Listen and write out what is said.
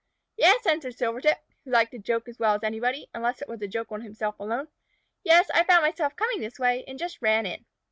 "Yes," answered Silvertip, who liked a joke as well as anybody, unless it were a joke on himself alone. "Yes, I found myself coming this way, and just ran in."